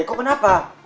eh kok kenapa